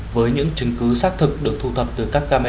với những chứng cứ xác thực được thu thập từ các camera giám sát